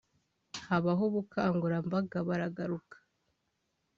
habaho ubukangurambaga baragaruka